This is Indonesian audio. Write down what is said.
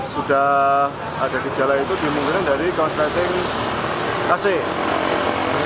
sudah ada gejala itu dimungkinkan dari konsleting kasih